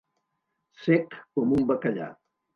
Sec com un bacallà.